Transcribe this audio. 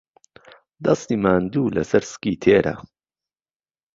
دهستی ماندوو لهسهر سکی تێره